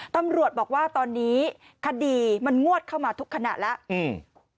ตำรวจบอกว่าตอนนี้คดีมันงวดเข้ามาทุกขณะแล้วอืม